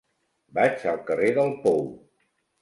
Vaig al carrer del Pou.